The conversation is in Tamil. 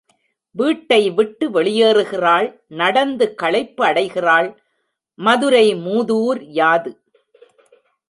வீட்டை விட்டு வெளியேறுகிறாள் நடந்து களைப்பு அடைகிறாள் மதுரை மூதூர் யாது?